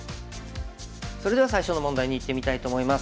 それでは最初の問題にいってみたいと思います。